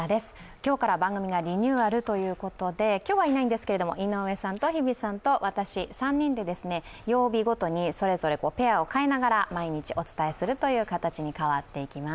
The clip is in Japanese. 今日から番組がリニューアルということで、今日はいないんですけれども、井上さんと日比さんと私、３人で曜日ごとにそれぞれペアを変えながら毎日お伝えするという形に変わっていきます。